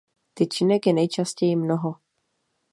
Tyčinek je nejčastěji mnoho.